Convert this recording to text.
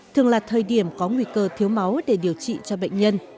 thường là thời điểm có nguy cơ thiếu máu để điều trị cho bệnh nhân